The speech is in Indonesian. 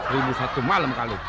ribu satu malem kali